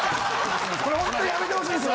これほんとにやめてほしいんですよ